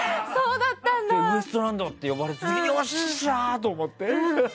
ウエストランドって呼ばれた時よっしゃー！って思って。